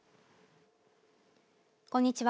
こんにちは。